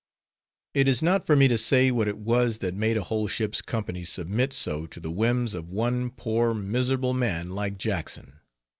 It is not for me to say, what it was that made a whole ship's company submit so to the whims of one poor miserable man like Jackson.